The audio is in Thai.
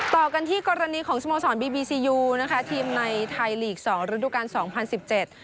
ต่อกันที่กรณีของสโมสรบีบีซียูนะคะทีมในไทยลีกสองฤดูการสองพันสิบเจ็ด